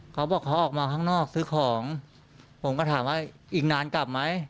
เขาบอกเขาออกมาข้างนอกซื้อของผมก็ถามว่าอีกนานกลับไหม